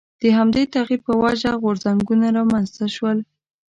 د همدې تغییر په وجه غورځنګونه رامنځته شول.